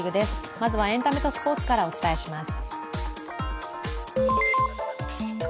まずはエンタメとスポーツからお伝えします。